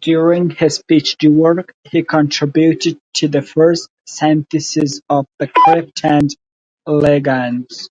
During his PhD work, he contributed to the first syntheses of the cryptand ligands.